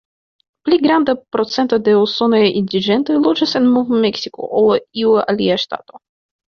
Pli granda procento de usonaj indiĝenoj loĝas en Nov-Meksiko ol en iu alia ŝtato.